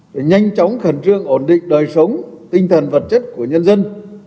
để nhanh chóng khẩn trương ổn định đời sống tinh thần vật chất của nhân dân